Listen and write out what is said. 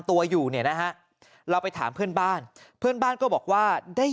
ตัวอยู่เนี่ยนะฮะเราไปถามเพื่อนบ้านเพื่อนบ้านก็บอกว่าได้